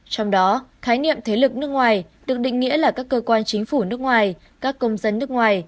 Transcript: trong đó khái niệm thế lực nước ngoài được định nghĩa là các cơ quan chính phủ nước ngoài các công dân nước ngoài